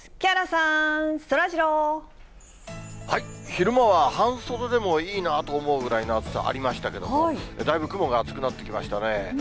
昼間は半袖でもいいなと思うぐらいの暑さありましたけども、だいぶ雲が厚くなってきましたね。